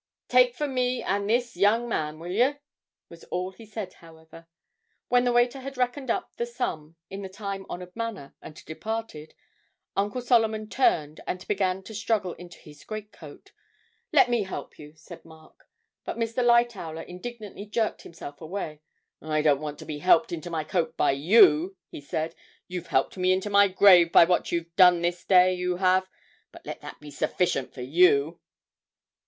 'Take for me and this young man, will yer?' was all he said, however. When the waiter had reckoned up the sum in the time honoured manner and departed, Uncle Solomon turned and began to struggle into his great coat. 'Let me help you,' said Mark, but Mr. Lightowler indignantly jerked himself away. 'I don't want to be helped into my coat by you,' he said; 'you've helped me into my grave by what you've done this day, you have; let that be sufficient for you!'